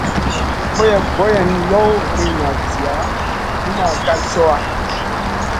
Boyen yoh riŋa viziya, numaʼ kal cowa.